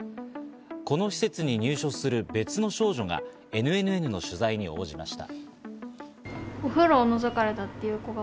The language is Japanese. この施設に入所する別の少女がＮＮＮの取材に応じました。